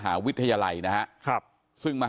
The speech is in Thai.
ทางรองศาสตร์อาจารย์ดรอคเตอร์อัตภสิตทานแก้วผู้ชายคนนี้นะครับ